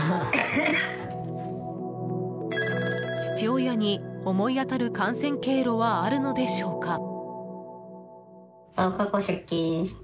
父親に、思い当たる感染経路はあるのでしょうか？